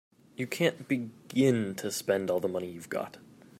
You can't begin to spend all the money you've got.